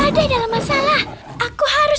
sang raja ada dalam masalah aku harus membalas budi